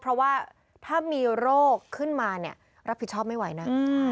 เพราะว่าถ้ามีโรคขึ้นมาเนี่ยรับผิดชอบไม่ไหวนะ